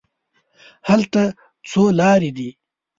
هلته څو لارې دي.